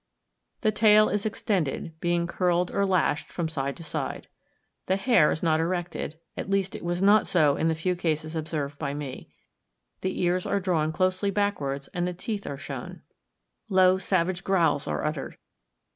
The tail is extended, being curled or lashed from side to side. The hair is not erected—at least it was not so in the few cases observed by me. The ears are drawn closely backwards and the teeth are shown. Low savage growls are uttered.